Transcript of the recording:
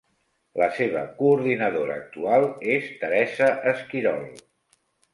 La seva coordinadora actual és Teresa Esquirol.